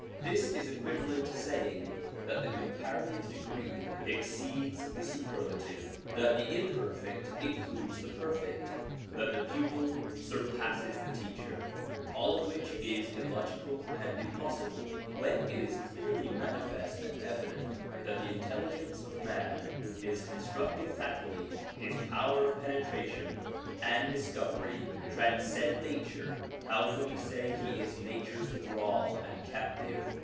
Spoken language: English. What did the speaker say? This is equivalent to saying that the comparative degree exceeds the superlative, that the imperfect includes the perfect, that the pupil surpasses the teacher ; all of which is illogical and impossible. When it is clearly manifest and evident that the intelligence of man, his constructive faculty, his power of penetration and dis covery transcend nature, how can we say he is nature's thrall and captive.